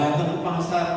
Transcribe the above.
gak kau ke pasar